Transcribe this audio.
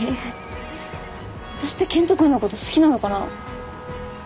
私って健人君のこと好きなのかな？